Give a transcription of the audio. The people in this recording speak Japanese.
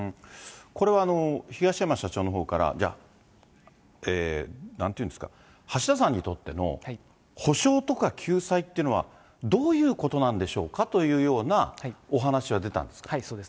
これは東山社長のほうから、じゃあ、なんていうんですか、橋田さんにとっての補償とか救済っていうのは、どういうことなんでしょうかというようなお話は出たんですか。